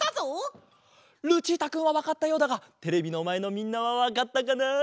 ルチータくんはわかったようだがテレビのまえのみんなはわかったかな？